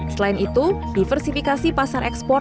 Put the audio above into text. selain itu diversifikasi pasar ekspor